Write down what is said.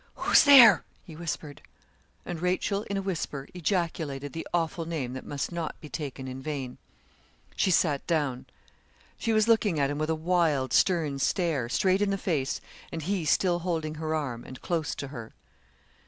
'Who's there?' he whispered. And Rachel, in a whisper, ejaculated the awful name that must not be taken in vain. She sat down. She was looking at him with a wild, stern stare, straight in the face, and he still holding her arm, and close to her.